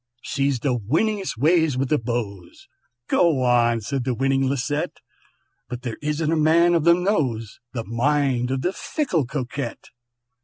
"She's the winningest ways with the beaux," ("Go on!" said the winning Lisette), "But there isn't a man of them knows The mind of the fickle Coquette!